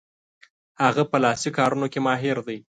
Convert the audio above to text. هغه په لاسي کارونو کې ماهر دی.